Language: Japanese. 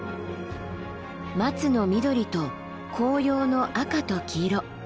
松の緑と紅葉の赤と黄色。